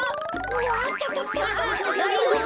おっとっとっと。